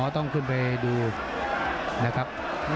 ต้องคุณไปดูนะครับ